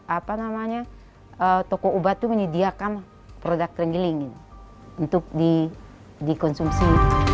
apa namanya toko obat itu menyediakan produk renggiling untuk dikonsumsi